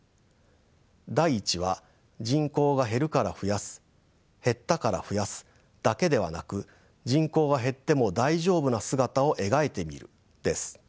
第１は「人口が減るから増やす減ったから増やす」だけではなく「人口が減っても大丈夫な姿を描いてみる」です。